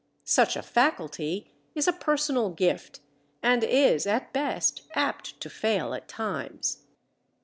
Such a faculty is a personal gift, and is at best apt to fail at times.